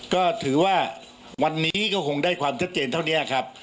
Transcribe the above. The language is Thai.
ก็ถือว่าวันนี้ก็คงได้ความชัดเจนเท่านี้ครับ